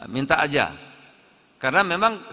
minta aja karena memang